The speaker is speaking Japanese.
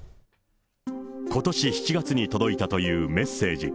ことし７月に届いたというメッセージ。